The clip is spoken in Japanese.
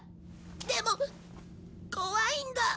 でも怖いんだ。